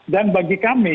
dan bagi kami